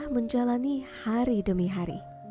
menjalani hari demi hari